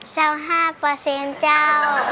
เจ้า๕เจ้า